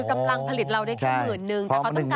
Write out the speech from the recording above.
คือกำลังผลิตเราได้แค่๑๐๐๐๐แต่เขาต้องการ๑๕๐๐๐